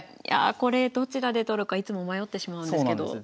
いやこれどちらで取るかいつも迷ってしまうんですけど。